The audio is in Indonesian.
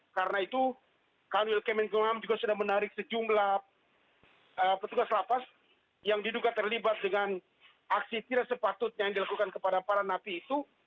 karena itu kementerian hukum dan ham juga sudah menarik sejumlah petugas lapas yang diduga terlibat dengan aksi tidak sepatutnya yang dilakukan kepada para nabi itu